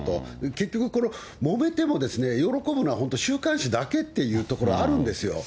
結局、もめても、喜ぶのは本当、週刊誌だけっていうところがあるんですよ。